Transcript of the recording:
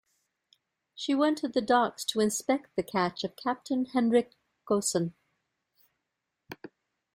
She went to the docks to inspect the catch of Captain Hendrik Goosen.